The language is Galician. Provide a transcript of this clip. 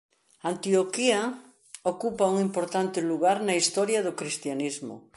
Antioquía ocupa un importante lugar na historia do cristianismo.